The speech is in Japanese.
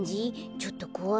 ちょっとこわい？